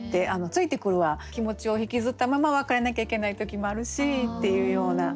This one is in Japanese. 「ついてくる」は気持ちを引きずったまま別れなきゃいけない時もあるしっていうような。